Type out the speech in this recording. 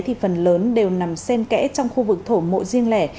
thì phần lớn đều nằm sen kẽ trong khu vực thổ mộ riêng lẻ